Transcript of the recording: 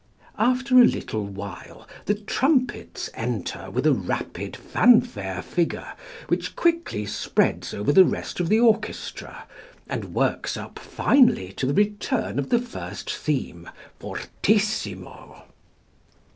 After a little while the trumpets enter with a rapid fanfare figure, which quickly spreads over the rest of the orchestra, and works up finely to the return of the first theme fortissimo.